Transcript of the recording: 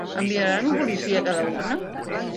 Enviaran un policia a cada urna?